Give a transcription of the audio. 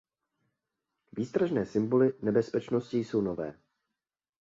Výstražné symboly nebezpečnosti jsou nové.